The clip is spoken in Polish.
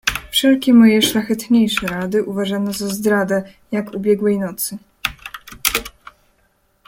"Wszelkie moje szlachetniejsze rady uważano za zdradę, jak ubiegłej nocy."